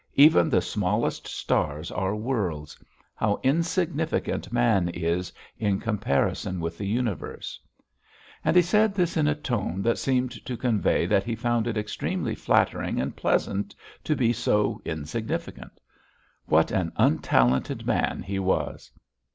Even the smallest stars are worlds! How insignificant man is in comparison with the universe." And he said this in a tone that seemed to convey that he found it extremely flattering and pleasant to be so insignificant. What an untalented man he was!